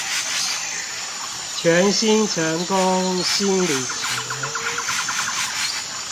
全新成功心理學